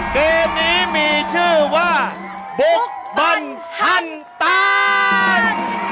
เกมนี้มีชื่อว่าบุกบรรทันตาล